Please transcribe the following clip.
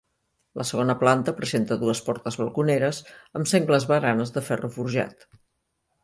La segona planta presenta dues portes balconeres, amb sengles baranes de ferro forjat.